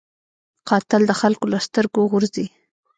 قاتل د خلکو له سترګو غورځي